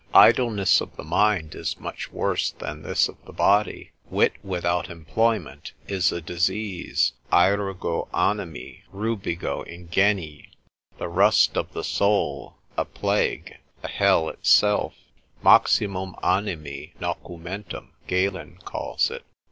Idleness of the mind is much worse than this of the body; wit without employment is a disease Aerugo animi, rubigo ingenii: the rust of the soul, a plague, a hell itself, Maximum animi nocumentum, Galen, calls it.